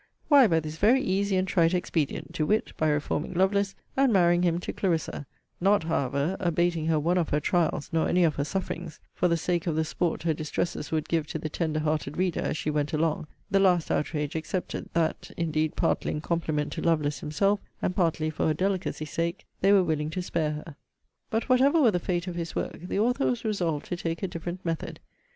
Why, by this very easy and trite expedient; to wit, by reforming Lovelace, and marrying him to Clarissa not, however, abating her one of her trials, nor any of her sufferings, [for the sake of the sport her distresses would give to the tender hearted reader, as she went along,] the last outrage excepted: that, indeed, partly in compliment to Lovelace himself, and partly for her delicacy sake, they were willing to spare her. But whatever were the fate of his work, the author was resolved to take a different method.